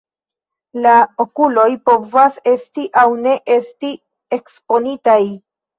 La okuloj povas esti aŭ ne esti eksponitaj.